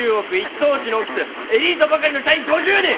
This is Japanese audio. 等地のオフィスエリートばかりの社員５０人！